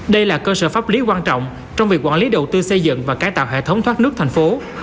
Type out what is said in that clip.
đây là cơ sở pháp lý quan trọng trong việc quản lý đầu tư xây dựng và cải tạo hệ thống thoát nước thành phố